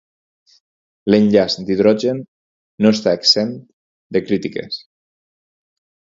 L'enllaç d'hidrogen no està exempt de crítiques.